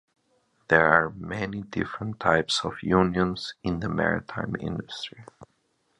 There are many different types of unions in the maritime industry.